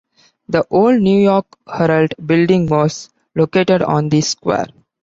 The old New York Herald Building was located on the square.